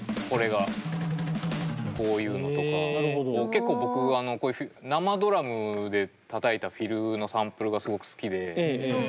結構僕こういう生ドラムでたたいたフィルのサンプルがすごく好きで。